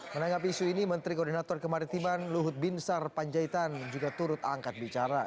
menanggapi isu ini menteri koordinator kemaritiman luhut binsar panjaitan juga turut angkat bicara